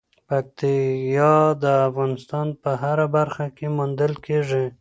پکتیا د افغانستان په هره برخه کې موندل کېږي.